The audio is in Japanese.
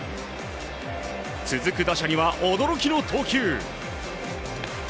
続く打者には驚きの投球。